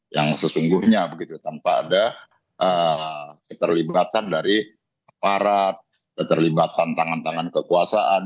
yang sesungguhnya begitu tanpa ada keterlibatan dari aparat keterlibatan tangan tangan kekuasaan